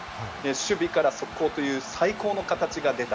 守備から速攻という最高の形が出た。